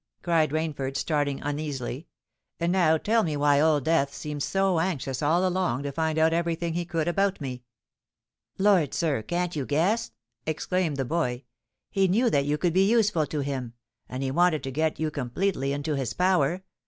cried Rainford, starting uneasily. "And now tell me why Old Death seemed so anxious all along to find out every thing he could about me?" "Lord! sir, can't you guess?" exclaimed the boy. "He knew that you could be useful to him, and he wanted to get you completely into his power.